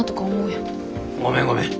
ごめんごめん。